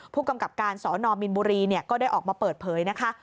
ผู้กำกับการสนมินบุรีก็ได้ออกมาเปิดเผยนะคะ